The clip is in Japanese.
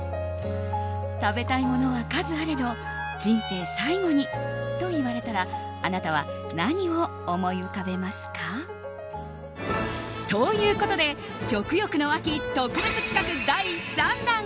食べたいものは数あれど人生最後にと言われたらあなたは何を思い浮かべますか？ということで食欲の秋、特別企画第３弾。